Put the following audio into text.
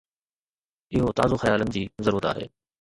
اهو تازو خيالن جي ضرورت آهي.